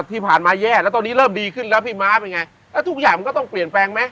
ที่ผ่านมาแย่แล้วตอนนี้เริ่มดีขึ้นแล้วพี่ม้าเป็นไงแล้วทุกอย่างมันก็ต้องเปลี่ยนแปลงไหม